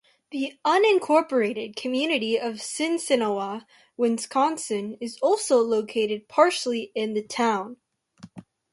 The unincorporated community of Sinsinawa, Wisconsin is also located partially in the town.